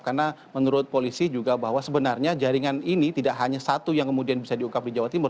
karena menurut polisi juga bahwa sebenarnya jaringan ini tidak hanya satu yang kemudian bisa diungkap di jawa timur